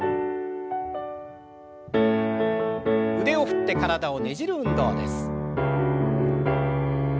腕を振って体をねじる運動です。